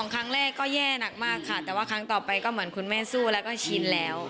ครั้งแรกก็แย่หนักมากค่ะแต่ว่าครั้งต่อไปก็เหมือนคุณแม่สู้แล้วก็ชินแล้ว